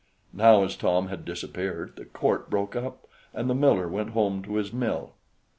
Now, as Tom had disappeared, the court broke up, and the miller went home to his mill.